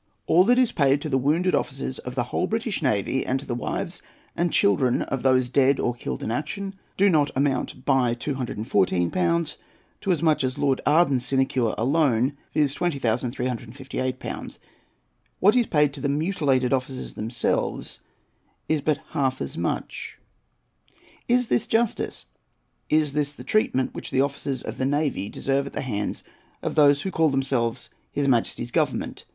All that is paid to the wounded officers of the whole British navy, and to the wives and children of those dead or killed in action, do not amount by 214l. to as much as Lord Arden's sinecure alone, viz. 20,358£. What is paid to the mutilated officers themselves is but half as much. Is this justice? Is this the treatment which the officers of the navy deserve at the hands of those who call themselves his Majesty's Government?